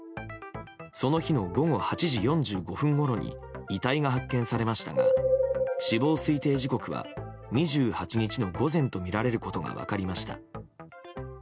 その日の午後８時４５分ごろに遺体が発見されましたが死亡推定時刻は、２８日の午前とみられることが分かりました。